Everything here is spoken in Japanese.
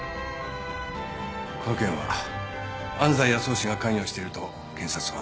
この件は安斎康雄氏が関与していると検察は。